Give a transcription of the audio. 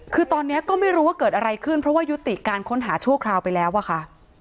คือตอนนี้ก็ไม่รู้ว่าเกิดอะไรขึ้นเพราะว่ายุติการค้นหาชั่วคราวไปแล้วอะค่ะ